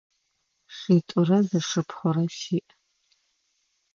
Шитӏурэ зы шыпхъурэ сиӏ.